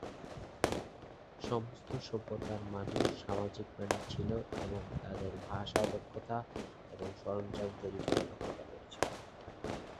সমস্ত সভ্যতায় মানুষ সামাজিক প্রাণী ছিল এবং তাদের ভাষা দক্ষতা এবং সরঞ্জাম তৈরি করার দক্ষতা রয়েছে।